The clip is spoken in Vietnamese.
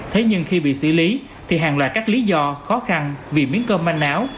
thế nhưng khi bị xử lý thì hàng loạt các lý do khó khăn vì miếng cơm manh áo